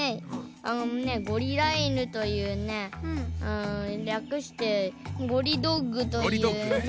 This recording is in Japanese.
あのねゴリラいぬというねりゃくしてゴリドッグというね。